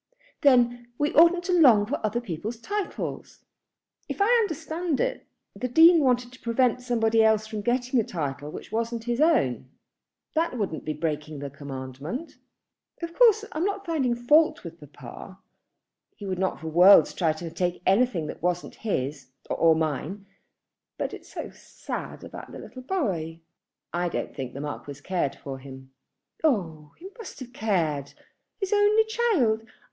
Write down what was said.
"Then we oughtn't to long for other people's titles." "If I understand it, the Dean wanted to prevent somebody else from getting a title which wasn't his own. That wouldn't be breaking the commandment." "Of course I am not finding fault with papa. He would not for worlds try to take anything that wasn't his, or mine. But it's so sad about the little boy." "I don't think the Marquis cared for him." "Oh, he must have cared! His only child!